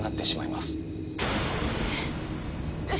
えっ？